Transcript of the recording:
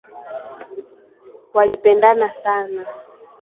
Walipendana sana